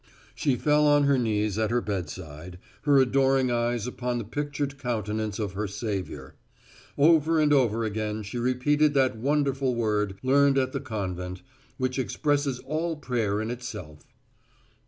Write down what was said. She fell on her knees at her bedside, her adoring eyes upon the pictured countenance of her Savior. Over and over again she repeated that wonderful word learned at the convent, which expresses all prayer in itself.